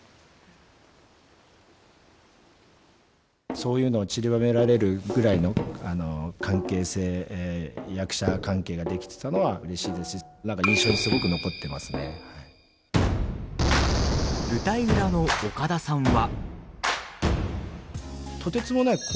そういうのをちりばめられるぐらいの関係性役者関係ができてたのはうれしいですし舞台裏の岡田さんは？